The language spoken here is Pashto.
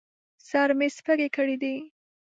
سر مې سپږې کړي دي